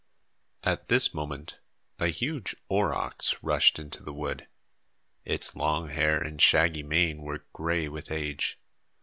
At this moment, a huge aurochs rushed into the wood. Its long hair and shaggy mane were gray with age.